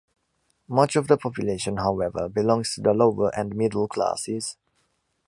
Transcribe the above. Much of the population, however, belongs to the lower and middle classes.